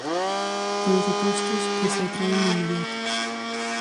Polos opostos que se atraen de inmediato.